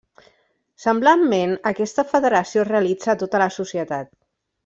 Semblantment, aquesta federació es realitza a tota la societat.